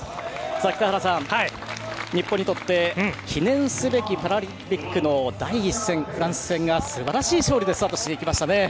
北原さん、日本にとって記念すべきパラリンピックの第１戦、フランス戦がすばらしい勝利でスタートしていきましたね。